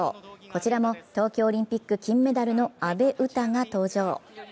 こちらも東京オリンピック金メダルの阿部詩が登場。